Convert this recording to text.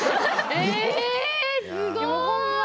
えすごい！